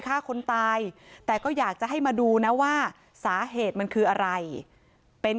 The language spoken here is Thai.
ฆ่าคนตายแต่ก็อยากจะให้มาดูนะว่าสาเหตุมันคืออะไรเป็น